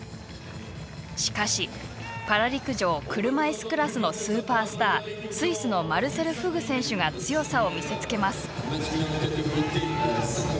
しかし、パラ陸上車いすクラスのスーパースタースイスのマルセル・フグ選手が強さを見せつけます。